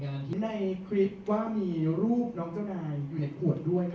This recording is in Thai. คนการที่ในคลิปว่ามีรูปน้องเจ้าหน่ายอยู่ในขวดด้วย